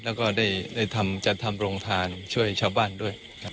แล้วก็ได้จัดทำโรงทานช่วยชาวบ้านด้วย